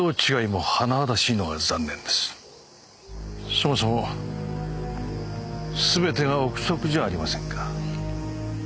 そもそもすべてが憶測じゃありませんか。